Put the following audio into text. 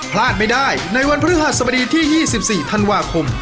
พลาดไม่ได้ในวันพฤหัสบดีที่๒๔ธันวาคม